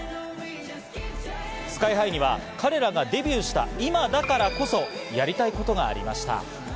ＳＫＹ−ＨＩには彼らがデビューした今だからこそ、やりたいことがありました。